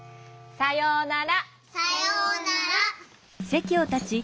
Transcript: さようなら。